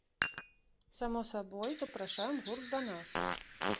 Само сабой, запрашаем гурт да нас.